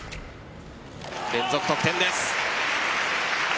連続得点です。